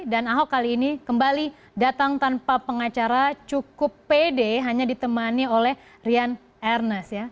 dan ahok kali ini kembali datang tanpa pengacara cukup pede hanya ditemani oleh rian ernest ya